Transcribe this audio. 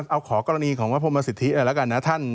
เอาขอกรณีของพระพรมเมธีแล้วกันนะท่าน